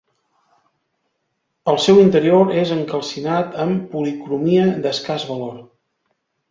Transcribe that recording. El seu interior és encalcinat amb policromia d'escàs valor.